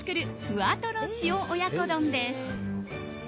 ふわトロ塩親子丼です。